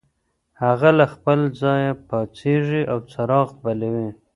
هغه له خپل ځایه پاڅېږي او څراغ بلوي.